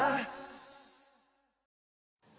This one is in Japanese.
「はい」